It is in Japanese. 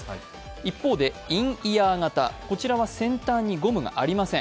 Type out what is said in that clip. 一方でインイヤー型は先端にゴムがありません。